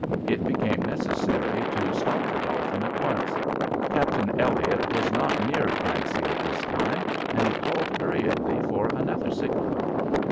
It became necessary to stop the Dolphin at once. Captain Elliott was not near Clancy at this time, and he called hurriedly for another signalman.